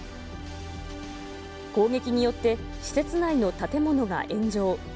攻撃によって、施設内の建物が炎上。